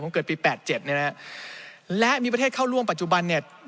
ผมเกิดปี๘๗เนี่ยนะฮะและมีประเทศเข้าร่วมปัจจุบันเนี่ย